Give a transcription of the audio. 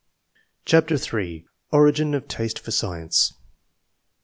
CHAPTER III. ORIGIN OF TASTE FOR SCIENCE.